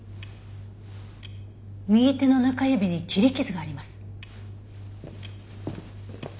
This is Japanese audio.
右手の中指に切り傷があります。